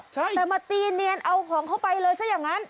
แต่มาตีเนียนเอาของเข้าไปเลยซะอย่างนั้น